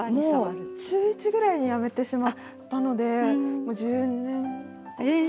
もう中１ぐらいにやめてしまったのでもう１０年。